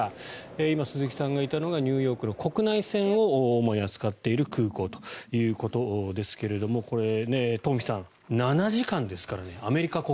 今、鈴木さんがいたのがニューヨークの国内線を主に扱っている空港ということですがこれ、東輝さん７時間ですからね。